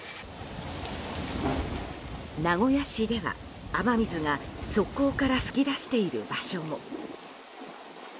名古屋市では、雨水が側溝から噴き出している場所も。